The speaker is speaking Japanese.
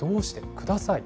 ください。